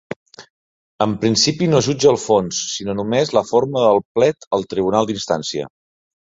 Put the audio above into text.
En principi no jutja el fons, sinó només la forma del plet al tribunal d'instància.